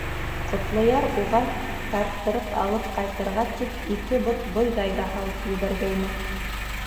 Ҡотлояр уға тарттырып алып ҡайтырға тип ике бот бойҙай ҙа һалып ебәргәйне.